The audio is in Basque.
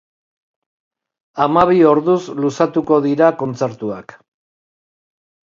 Hamabi orduz luzatuko dira kontzertuak.